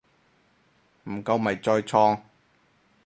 唔夠咪再創